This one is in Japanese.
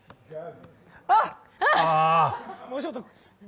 あっ！